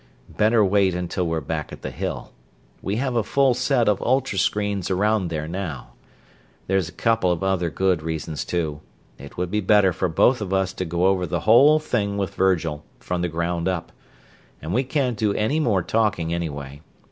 Better wait until we're back at the Hill. We have a full set of ultra screens around there now. There's a couple of other good reasons, too it would be better for both of us to go over the whole thing with Virgil, from the ground up; and we can't do any more talking, anyway.